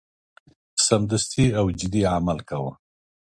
سمدستي او جدي عمل کاوه.